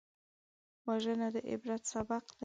وژنه د عبرت سبق دی